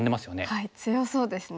はい強そうですね。